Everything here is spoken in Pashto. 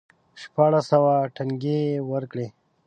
شپاړس سوه ټنګې یې ورکړې.